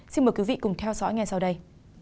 xin mời quý vị cùng theo dõi ngay sau đây